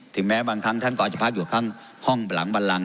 แม้บางครั้งท่านก็อาจจะพักอยู่ข้างห้องหลังบันลัง